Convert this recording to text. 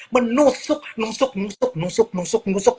menusuk nusuk nusuk nusuk nusuk nusuk nusuk nusuk